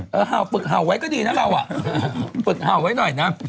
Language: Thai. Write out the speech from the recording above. เห่าฝึกเห่าไว้ก็ดีนะเราอ่ะฝึกเห่าไว้หน่อยนะ